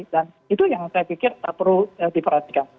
dan itu yang saya pikir perlu diperhatikan